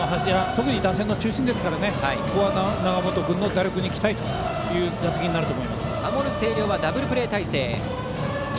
特に打線の中心ですから永本君の打力に期待という打席だと思います。